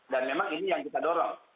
memang ini yang kita dorong